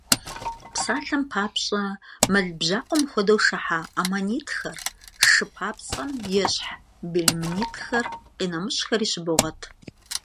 Псалъэм папщӀэ, мэл бжьакъуэм хуэдэу шыхьа аммонитхэр, шэ папцӀэм ещхь белемнитхэр, къинэмыщӀхэри щыбогъуэт.